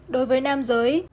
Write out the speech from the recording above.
đối với nam giới